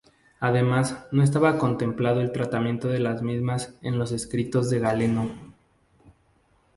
Además no estaba contemplado el tratamiento de las mismas en los escritos de Galeno.